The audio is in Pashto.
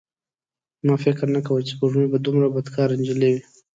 ما فکر نه کاوه چې سپوږمۍ به دومره بدکاره نجلۍ وي.